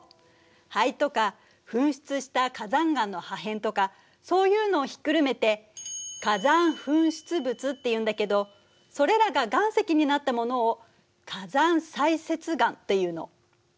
灰とか噴出した火山岩の破片とかそういうのをひっくるめて火山噴出物っていうんだけどそれらが岩石になったものを火山砕屑岩というの。